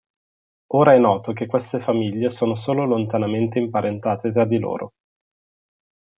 Ora è noto che queste famiglie sono solo lontanamente imparentate tra di loro.